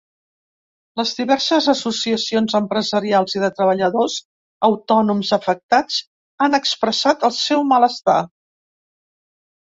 Les diverses associacions empresarials i de treballadors autònoms afectats han expressat el seu malestar.